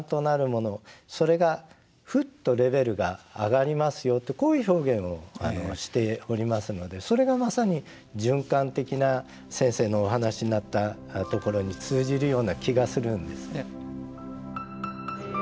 それがフッとレベルが上がりますよってこういう表現をしておりますのでそれがまさに循環的な先生のお話しになったところに通じるような気がするんですね。